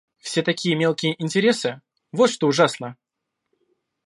Все такие мелкие интересы, вот что ужасно!